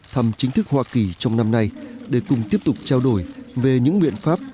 thăm chính thức hoa kỳ trong năm nay để cùng tiếp tục trao đổi về những biện pháp